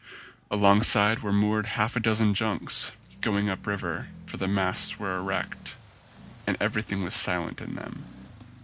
Alongside were moored half a dozen junks, going up river, for their masts were erect; and every thing was silent in them.